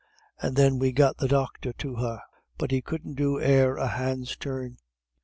And then we got the docther to her, but he couldn't do e'er a hand's turn.